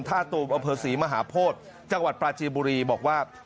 ท่าตัวอเผิศรีมหาโพธิ์จังหวัดปราจีบุรีบอกว่า